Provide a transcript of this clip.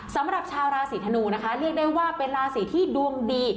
สำหรับชาวราศีธนูนะคะเรียกได้ว่าเป็นราศีที่ดวงดี